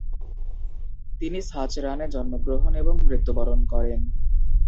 তিনি ছাচরানে জন্মগ্রহণ এবং মৃত্যুবরণ করেন।